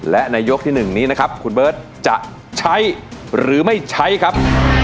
และในยกที่๑นี้นะครับคุณเบิร์ตจะใช้หรือไม่ใช้ครับ